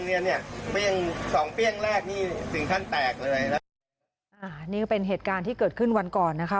นี่ก็เป็นเหตุการณ์ที่เกิดขึ้นวันก่อนนะคะ